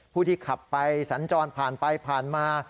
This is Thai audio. ผู้ที่ขับไปสัญจรผ่านไปผ่านมา